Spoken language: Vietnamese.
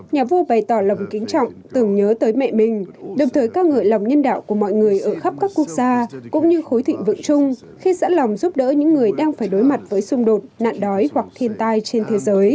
nhà vua bày tỏ lòng kính trọng tưởng nhớ tới mẹ mình đồng thời ca ngợi lòng nhân đạo của mọi người ở khắp các quốc gia cũng như khối thịnh vượng chung khi sẵn lòng giúp đỡ những người đang phải đối mặt với xung đột nạn đói hoặc thiên tai trên thế giới